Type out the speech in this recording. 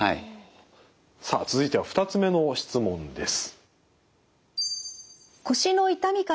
さあ続いては２つ目の質問です。